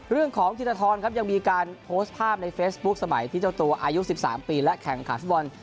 ของธิรทรครับยังมีการโพสต์ภาพในเฟซบุ๊คสมัยที่เจ้าตัวอายุ๑๓ปีและแข่งขันฟุตบอล